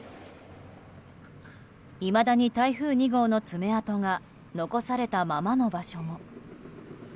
いまだに台風２号の爪痕が残されたままの場所も。